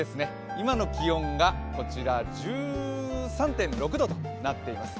今の気温がこちら１３．６度となっています。